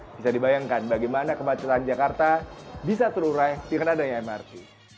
bisa dibayangkan bagaimana kemacetan jakarta bisa terurai dengan adanya mrt